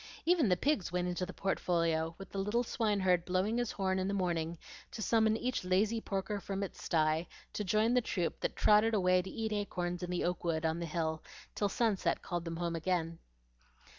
Even the pigs went into the portfolio, with the little swineherd blowing his horn in the morning to summon each lazy porker from its sty to join the troop that trotted away to eat acorns in the oak wood on the hill till sunset called them home again.